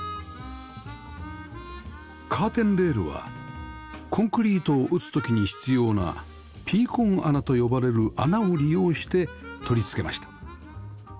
カーテンレールはコンクリートを打つ時に必要なピーコン穴と呼ばれる穴を利用して取り付けました